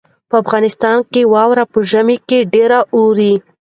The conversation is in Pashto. په افغانستان کې واوره په ژمي کې ډېره اوري.